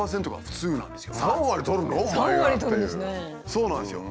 そうなんですよ。